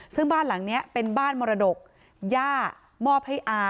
ซึ่งบ้านหลังนี้เป็นบ้านมรดกย่ามอบให้อา